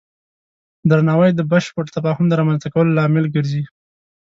درناوی د بشپړ تفاهم د رامنځته کولو لامل ګرځي.